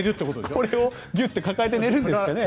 これをギュッと抱えて寝るんですかね。